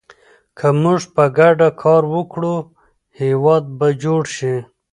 که موږ په ګډه کار وکړو، هېواد به جوړ شي.